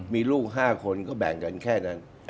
มีลูก๕คนก็แบ่งกันแค่นั้น